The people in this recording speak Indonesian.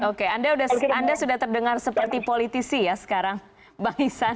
oke anda sudah terdengar seperti politisi ya sekarang bang iksan